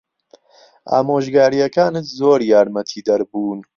ئامۆژگارییەکانت زۆر یارمەتیدەر بوون.